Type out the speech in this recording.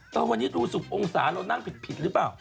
แต่วันนี้ดู๑๐องศาเรานั่งผิดหรือเปล่า